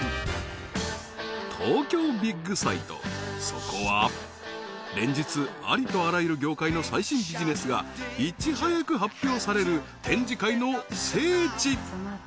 そこは連日ありとあらゆる業界の最新ビジネスがいち早く発表される展示会の聖地